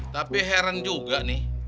tapi heran juga nih